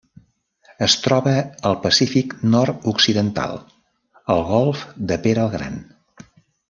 Es troba al Pacífic nord-occidental: el Golf de Pere el Gran.